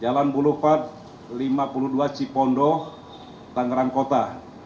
jalan bulu pad lima puluh dua cipondo tangerang kota